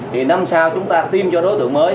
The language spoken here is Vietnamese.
thì năm sao chúng ta tiêm cho đối tượng mới